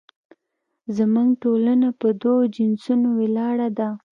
زموږ ټولنه په دوو جنسونو ولاړه ده